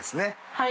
はい。